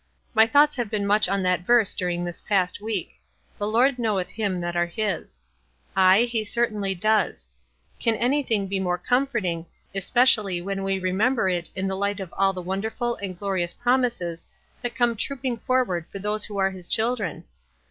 My thoughts have been much on that verse during this past week. f The Lord know eth them that are his.' Aye, he certainly does. Can anything be more comforting, especially when we remember it in the light of all the wonderful and glorious promises that come trooping forward for those who are his children